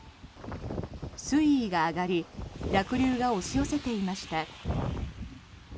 水位が上がり濁流が押し寄せていました。